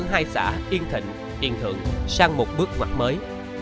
ở hai xã yên thịnh yên thưởng sang một bước ngoặt mới